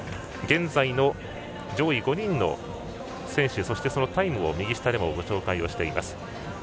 現在の上位５人の選手そしてそのタイムを右下でもご紹介しています。